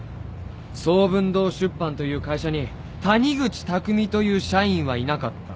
創文堂出版という会社に谷口巧という社員はいなかった。